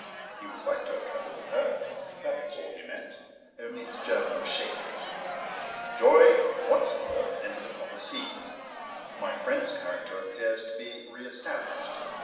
He would like to have travelled with her, that was all he meant, only his German was shaky. Joy once more entered upon the scene. My friend's character appeared to be re established.